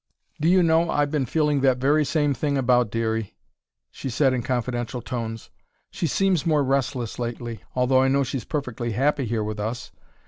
"Do you know, I've been feeling that very same thing about Dearie," she said in confidential tones. "She seems more restless lately, although I know she's perfectly happy here with us.